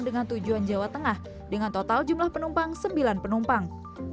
dengan tujuan jawa tengah dengan total jumlah penumpang sembilan penumpang